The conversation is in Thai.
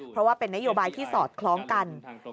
เพราะว่าเป็นนโยบายที่สอดคล้องกัน